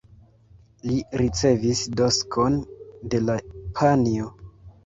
Li ricevis diskon de la panjo.